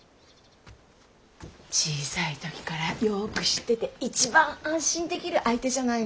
小さい時からよく知ってて一番安心できる相手じゃないの。